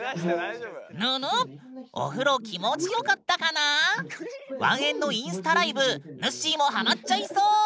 ぬぬお風呂気持ちよかったかな⁉ワンエンのインスタライブぬっしーもハマっちゃいそう！